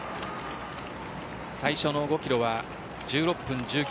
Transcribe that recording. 最初の５キロは１６分１９。